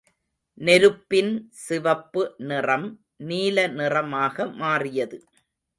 நெருப்பின் சிவப்பு நிறம் நீலநிறமாக மாறியது.